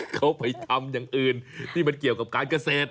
เขาไปทำอย่างอื่นที่มันเกี่ยวกับการเกษตร